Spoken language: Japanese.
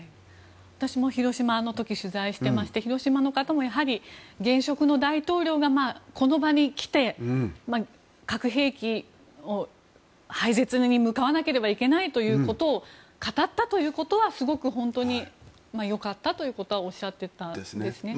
私も広島の時取材してまして広島の方も、やはり現職の大統領がこの場に来て、核兵器を廃絶に向かわなければいけないということを語ったということはすごく本当によかったということはおっしゃってたんですね。